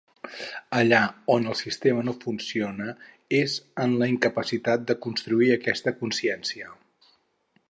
Allà on el sistema no funciona és en la incapacitat de construir aquesta consciència.